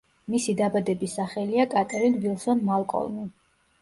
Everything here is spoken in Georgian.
მისი დაბადების სახელია კატერინ ვილსონ მალკოლმი.